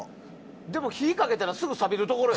でも火にかけたらすぐさびるところや。